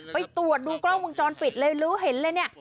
ไปตรวจดูกล้องมุมจรปิดเลยลื้อเห็นเลย